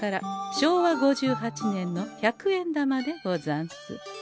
昭和５８年の百円玉でござんす。